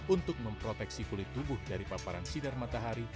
untuk memproteksi kulit tubuh dari paparan sidar matahari